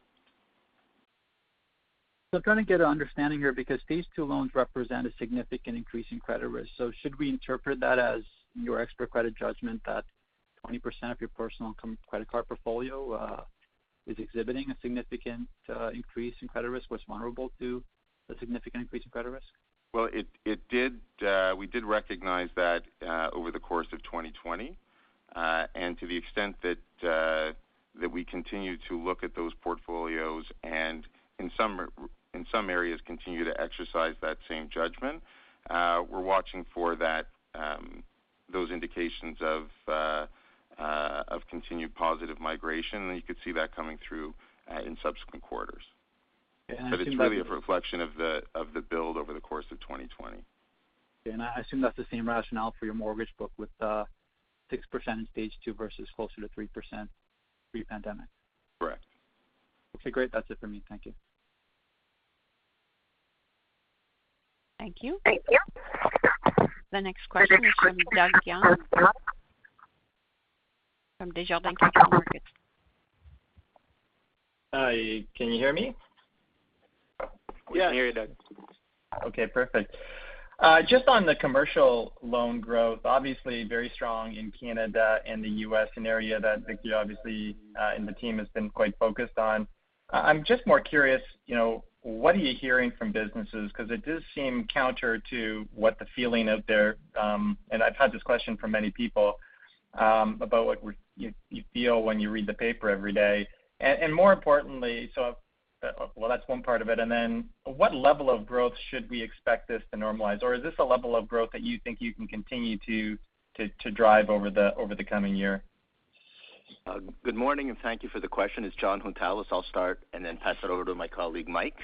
I'm trying to get an understanding here because Stage 2 loans represent a significant increase in credit risk. Should we interpret that as your expert credit judgment that 20% of your personal income credit card portfolio is exhibiting a significant increase in credit risk, was vulnerable to a significant increase in credit risk? Well, it did, we did recognize that over the course of 2020. To the extent that we continue to look at those portfolios and in some areas continue to exercise that same judgment, we're watching for that, those indications of continued positive migration. You could see that coming through in subsequent quarters. Yeah. I assume that- It's really a reflection of the build over the course of 2020. Yeah. I assume that's the same rationale for your mortgage book with 6% in Stage 2 versus closer to 3% pre-pandemic. Correct. Okay, great. That's it for me. Thank you. Thank you. Thank you. The next question is from Doug Young from Desjardins Capital Markets. Hi, can you hear me? Yeah. We can hear you, Doug. Okay, perfect. Just on the commercial loan growth, obviously very strong in Canada and the U.S., an area that Victor obviously and the team has been quite focused on. I'm just more curious, you know, what are you hearing from businesses? Because it does seem counter to what the feeling out there and I've had this question from many people about what you feel when you read the paper every day. More importantly, well, that's one part of it. What level of growth should we expect this to normalize? Or is this a level of growth that you think you can continue to drive over the coming year? Good morning, and thank you for the question. It's Jon Hountalas. I'll start and then pass it over to my colleague, Mike.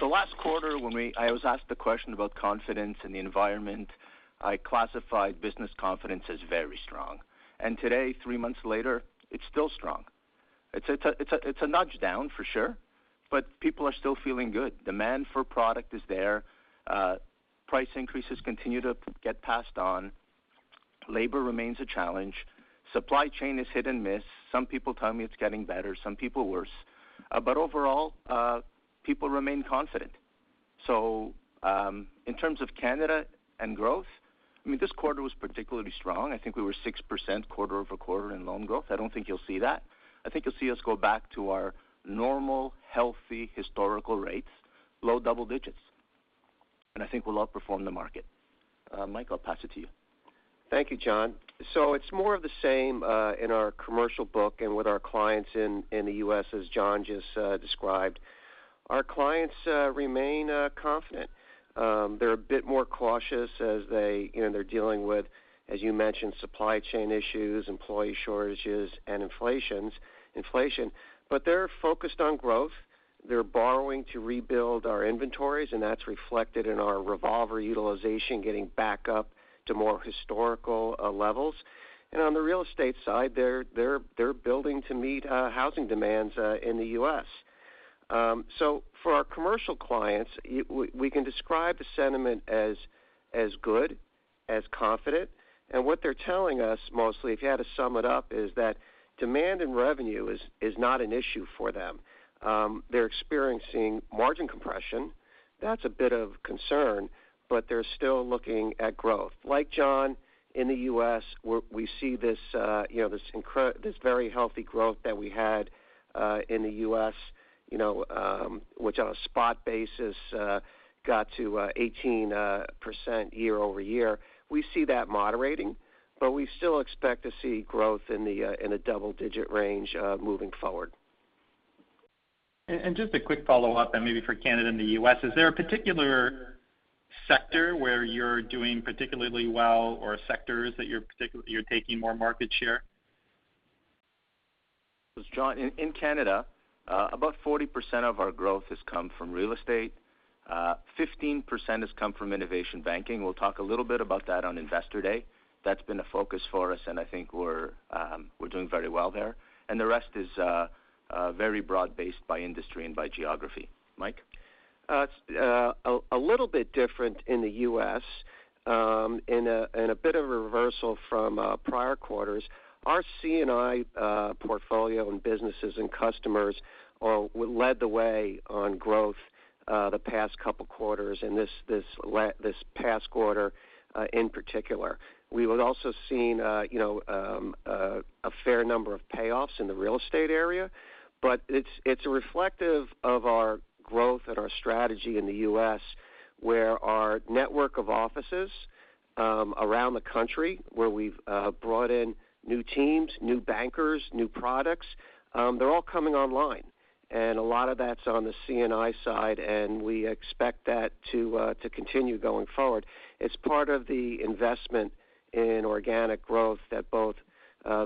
Last quarter, I was asked the question about confidence in the environment. I classified business confidence as very strong. Today, three months later, it's still strong. It's a nudge down for sure, but people are still feeling good. Demand for product is there. Price increases continue to get passed on. Labor remains a challenge. Supply chain is hit and miss. Some people tell me it's getting better, some people worse. Overall, people remain confident. In terms of Canada and growth, I mean, this quarter was particularly strong. I think we were 6% QoQ in loan growth. I don't think you'll see that. I think you'll see us go back to our normal, healthy, historical rates, low double digits. I think we'll outperform the market. Mike, I'll pass it to you. Thank you, Jon. It's more of the same in our commercial book and with our clients in the U.S., as Jon just described. Our clients remain confident. They're a bit more cautious as they're dealing with, as you mentioned, supply chain issues, employee shortages and inflation. They're focused on growth. They're borrowing to rebuild our inventories, and that's reflected in our revolver utilization getting back up to more historical levels. On the real estate side, they're building to meet housing demands in the U.S. For our commercial clients, we can describe the sentiment as good as confident. What they're telling us mostly, if you had to sum it up, is that demand and revenue is not an issue for them. They're experiencing margin compression. That's a bit of concern, but they're still looking at growth. Like Jon, in the U.S., we see this, you know, this very healthy growth that we had, in the U.S., you know, which on a spot basis, got to 18% YoY. We see that moderating, but we still expect to see growth in the, in the double-digit range, moving forward. Just a quick follow-up, and maybe for Canada and the U.S. Is there a particular sector where you're doing particularly well or sectors that you're taking more market share? This is Jon. In Canada, about 40% of our growth has come from real estate. 15% has come from innovation banking. We'll talk a little bit about that on Investor Day. That's been a focus for us, and I think we're doing very well there. The rest is very broad-based by industry and by geography. Mike. It's a little bit different in the U.S. In a bit of a reversal from prior quarters, our C&I portfolio and businesses and customers are led the way on growth, the past couple quarters and this past quarter, in particular. We've also seen, you know, a fair number of payoffs in the real estate area. But it's reflective of our growth and our strategy in the U.S., where our network of offices around the country, where we've brought in new teams, new bankers, new products, they're all coming online. And a lot of that's on the C&I side, and we expect that to continue going forward. It's part of the investment in organic growth that both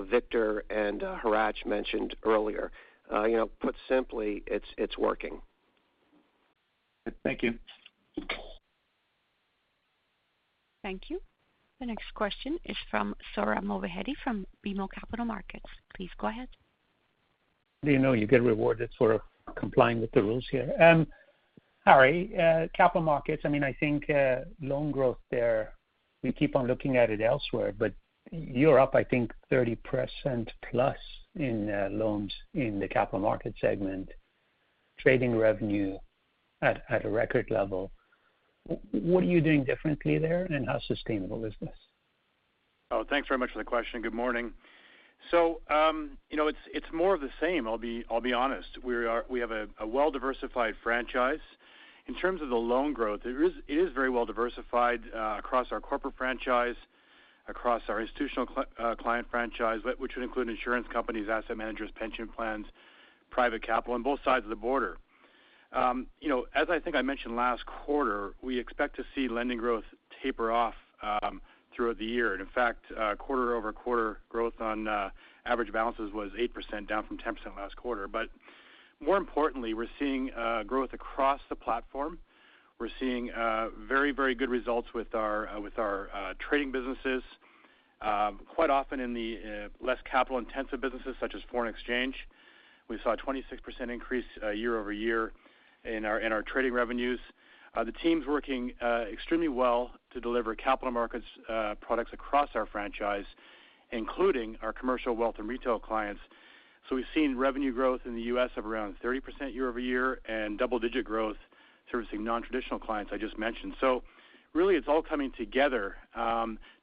Victor and Hratch mentioned earlier. You know, put simply, it's working. Thank you. Thank you. The next question is from Sohrab Movahedi from BMO Capital Markets. Please go ahead. You know you get rewarded for complying with the rules here. Harry, Capital Markets, I mean, I think, loan growth there, we keep on looking at it elsewhere, but you're up, I think, 30% plus in loans in the capital markets segment, trading revenue at a record level. What are you doing differently there? How sustainable is this? Oh, thanks very much for the question. Good morning. You know, it's more of the same, I'll be honest. We have a well-diversified franchise. In terms of the loan growth, it is very well diversified across our corporate franchise, across our institutional client franchise, which would include insurance companies, asset managers, pension plans, private capital on both sides of the border. You know, as I think I mentioned last quarter, we expect to see lending growth taper off throughout the year. In fact, QoQ growth on average balances was 8%, down from 10% last quarter. More importantly, we're seeing growth across the platform. We're seeing very good results with our trading businesses. Quite often in the less capital-intensive businesses such as foreign exchange, we saw a 26% increase YoY in our trading revenues. The team's working extremely well to deliver capital markets products across our franchise, including our commercial wealth and retail clients. We've seen revenue growth in the U.S. of around 30% YoY and double-digit growth servicing nontraditional clients I just mentioned. Really it's all coming together,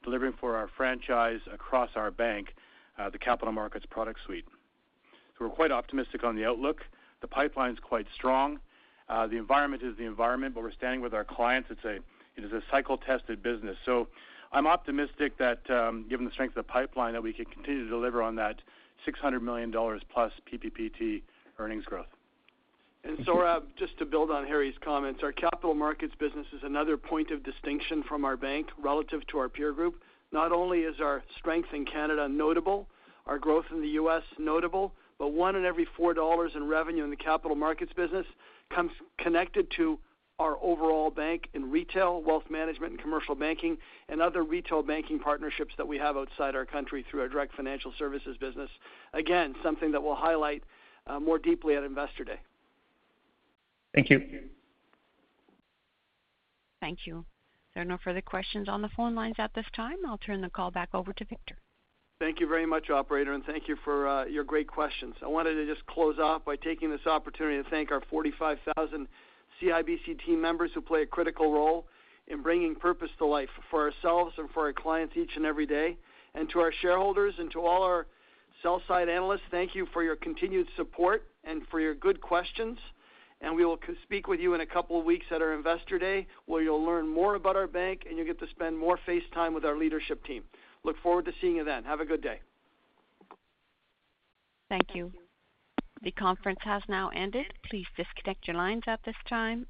delivering for our franchise across our bank, the capital markets product suite. We're quite optimistic on the outlook. The pipeline's quite strong. The environment is the environment, but we're standing with our clients and say it is a cycle-tested business. I'm optimistic that, given the strength of the pipeline, that we can continue to deliver on that 600 million dollars plus PPPT earnings growth. Sohrab, just to build on Harry's comments, our capital markets business is another point of distinction from our bank relative to our peer group. Not only is our strength in Canada notable, our growth in the U.S. notable, but one in every four dollars in revenue in the capital markets business comes connected to our overall bank in retail, wealth management, and commercial banking, and other retail banking partnerships that we have outside our country through our direct financial services business. Again, something that we'll highlight more deeply at Investor Day. Thank you. Thank you. There are no further questions on the phone lines at this time. I'll turn the call back over to Victor. Thank you very much, operator, and thank you for your great questions. I wanted to just close off by taking this opportunity to thank our 45,000 CIBC team members who play a critical role in bringing purpose to life for ourselves and for our clients each and every day. To our shareholders and to all our sell-side analysts, thank you for your continued support and for your good questions. We will catch up with you in a couple of weeks at our Investor Day, where you'll learn more about our bank and you'll get to spend more face time with our leadership team. Look forward to seeing you then. Have a good day. Thank you. The conference has now ended. Please disconnect your lines at this time.